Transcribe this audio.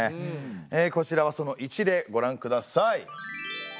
えこちらはその一例ごらんください。